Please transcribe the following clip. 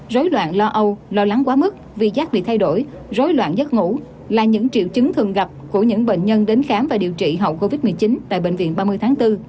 rối loạn lo âu lo lắng quá mức vì giác bị thay đổi rối loạn giấc ngủ là những triệu chứng thường gặp của những bệnh nhân đến khám và điều trị hậu covid một mươi chín tại bệnh viện ba mươi tháng bốn